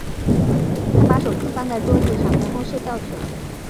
她把手机放在桌子上，然后睡觉去了。